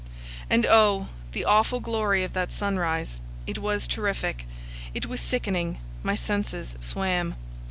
And oh! the awful glory of that sunrise! It was terrific; it was sickening; my senses swam.